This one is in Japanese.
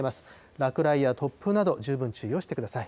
落雷や突風など、十分注意をしてください。